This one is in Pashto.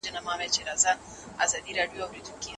سالم ذهن ناامیدي نه پیدا کوي.